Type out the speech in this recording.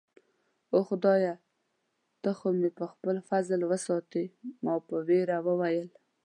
اوه، خدایه، ته خو مې په خپل فضل سره وساتې. ما په ویره وویل.